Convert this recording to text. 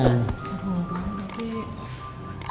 aduh bangun d